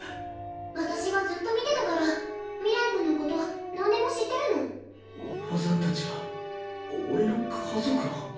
私はずっと見てたから明日君のこと何でも知ってるの叔母さん達が俺の家族を？